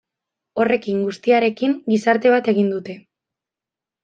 Horrekin guztiarekin gizarte bat egin dute.